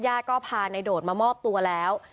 ญาติก็พาในโดดมามอบตัวแล้ว